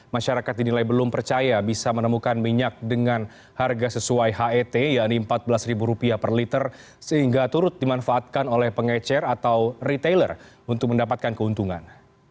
masyarakat dinilai belum percaya bisa menemukan minyak dengan harga sesuai het yaitu rp empat belas per liter sehingga turut dimanfaatkan oleh pengecer atau retailer untuk mendapatkan keuntungan